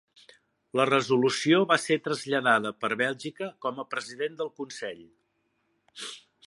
La resolució va ser traslladada per Bèlgica, com a president del Consell.